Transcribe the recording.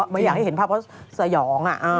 ไม่อยากได้เห็นภาพเขาสายอง